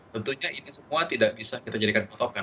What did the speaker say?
tentunya ini semua tidak bisa kita jadikan potokan